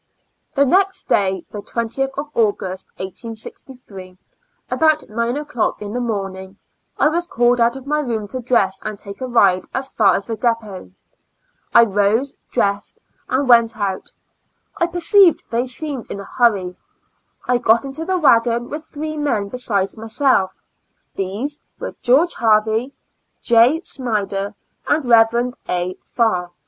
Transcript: The next day, the 20th of August, 1863, 22 ^^^^ Years and Four Monties about 9 o'clock in the morning, I was called out of my room to dress and take a ride as far as the depot. I rose, dressed and went out. I perceived they seemed in a hurry ; I got into the wagon with three men be sides myself; these were George Harvey, J. Snyder and Rev. A. Farr.